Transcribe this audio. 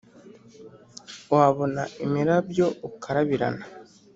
Wabona imirabyo ukarabirana